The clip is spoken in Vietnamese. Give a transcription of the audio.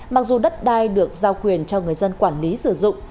mặc dù đất đai được giao quyền cho người dân quản lý sử dụng